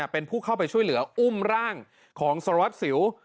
เป็นผู้เข้าไปช่วยเหลืออุ้มร่างของสารวัตรสิว